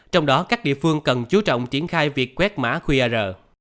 trong đó các địa phương cần chú trọng triển khai việc quét mã qr